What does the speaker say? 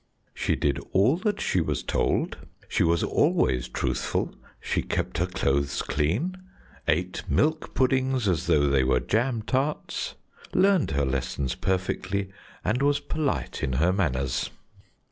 "She did all that she was told, she was always truthful, she kept her clothes clean, ate milk puddings as though they were jam tarts, learned her lessons perfectly, and was polite in her manners."